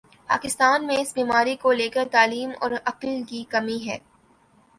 پاکستان میں اس بیماری کو لے کر تعلیم اور عقل کی کمی ہے